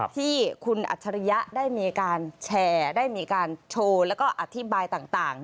ที่คุณอัจฉริยะได้มีการแชร์ได้มีการโชว์แล้วก็อธิบายต่าง